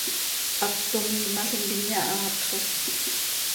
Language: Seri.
Haptco miimalim quih inyahaatxo.